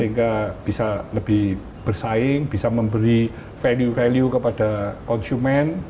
sehingga bisa lebih bersaing bisa memberi value value kepada konsumen